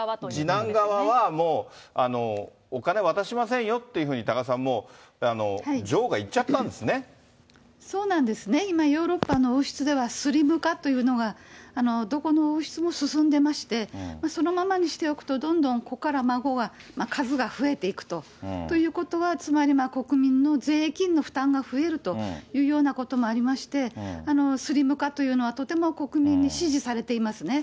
次男側はもう、お金渡しませんよっていうふうに、多賀さん、そうなんですね、今、ヨーロッパの王室ではスリム化っていうのが、どこの王室も進んでまして、そのままにしておくと、どんどん子から孫が数が増えていくと、ということは、つまり国民の税金の負担が増えるというようなこともありまして、スリム化というのはとても国民に支持されていますね。